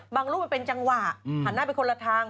รูปมันเป็นจังหวะหันหน้าไปคนละทาง